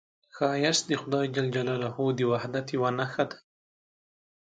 ښایست د خدای د وحدت یوه نښه ده